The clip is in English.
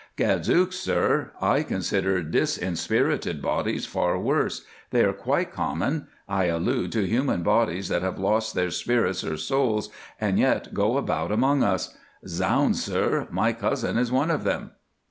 "Gad, zooks! sir, I consider disinspirited bodies far worse. They are quite common. I allude to human bodies that have lost their spirits or souls, and yet go about among us. Zounds! sir, my cousin is one of them.